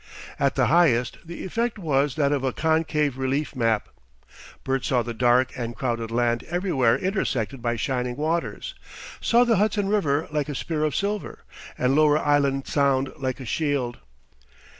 At the highest the effect was that of a concave relief map; Bert saw the dark and crowded land everywhere intersected by shining waters, saw the Hudson River like a spear of silver, and Lower Island Sound like a shield.